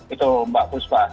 itu mbak busba